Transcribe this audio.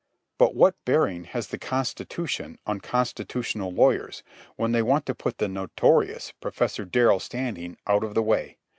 But what bearing has the Constitution on constitutional lawyers when they want to put the notorious Professor Darrell Standing out of the way?